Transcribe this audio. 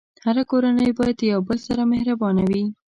هره کورنۍ باید د یو بل سره مهربانه وي.